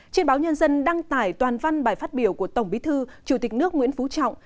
trên báo nhân dân đăng tải toàn văn bài phát biểu của tổng bí thư chủ tịch nước nguyễn phú trọng